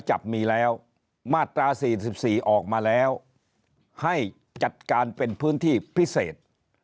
จับมีแล้วมาตรา๔๔ออกมาแล้วให้จัดการเป็นพื้นที่พิเศษ